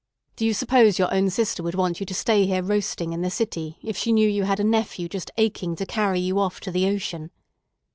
Do you suppose your own sister would want you to stay here roasting in the city if she knew you had a nephew just aching to carry you off to the ocean?